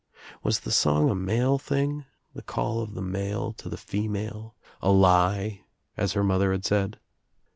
Was the song a male thing, the call of the male to the female, a lie, as her mother had said?